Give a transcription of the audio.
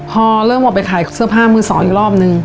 พอเริ่มออกไปขายเสื้อผ้ามือสองอีกรอบนึง